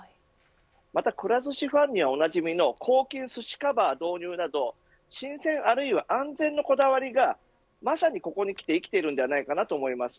また、くら寿司ファンにはおなじみの抗菌寿司カバーの導入など新鮮あるいは安全のこだわりがまさにここに来て生きていると思います。